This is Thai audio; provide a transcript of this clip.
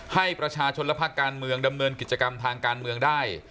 ให้ประชาชนและภาคการเมืองดำเนินกิจกรรมทางการเมืองได้